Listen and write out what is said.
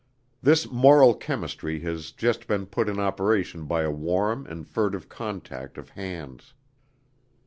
This moral chemistry had just been put in operation by a warm and furtive contact of hands.